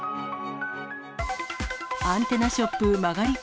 アンテナショップ曲がり角。